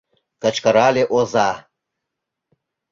— кычкырале оза.